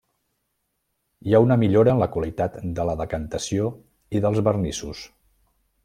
Hi ha una millora en la qualitat de la decantació i dels vernissos.